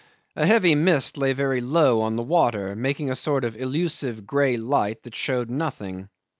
A heavy mist lay very low on the water, making a sort of illusive grey light that showed nothing.